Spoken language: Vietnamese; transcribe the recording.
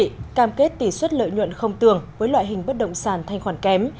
các cam kết lợi nhuận không tường với loại hình bất động sản thanh khoản kém